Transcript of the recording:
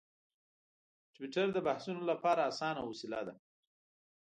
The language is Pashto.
ټویټر د بحثونو لپاره اسانه وسیله ده.